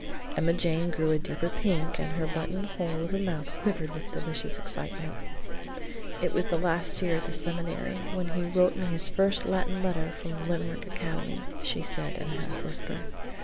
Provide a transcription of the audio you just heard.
Emma Jane grew a deeper pink and her button hole of a mouth quivered with delicious excitement. "It was last year at the seminary, when he wrote me his first Latin letter from Limerick Academy," she said in a half whisper.